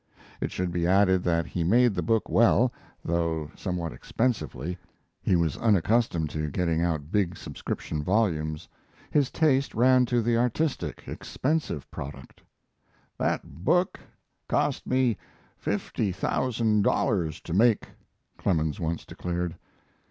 It should be added that he made the book well, though somewhat expensively. He was unaccustomed to getting out big subscription volumes. His taste ran to the artistic, expensive product. "That book cost me fifty thousand dollars to make," Clemens once declared.